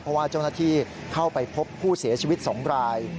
เพราะว่าเจ้าหน้าที่เข้าไปพบผู้เสียชีวิต๒ราย